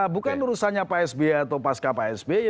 bukan urusannya pak sby atau pasca pak sby